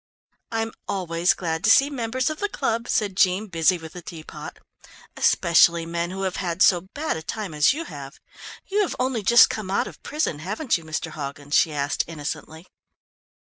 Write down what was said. "I'm always glad to see members of the club," said Jean busy with the teapot, "especially men who have had so bad a time as you have. You have only just come out of prison, haven't you, Mr. Hoggins?" she asked innocently.